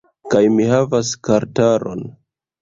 Kaj mi havas kartaron